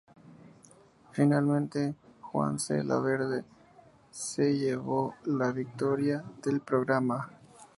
Finalmente, Juanse Laverde se llevó la victoria del programa.